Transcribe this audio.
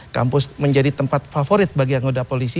kampus menjadi tempat favorit bagi anggota polisi